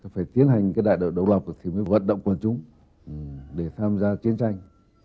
phải tiến hành cái đại đội độc lập thì mới vận động quân chúng để tham gia chiến tranh